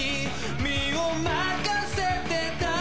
身を任せてた